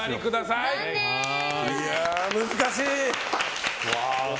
いやー、難しい。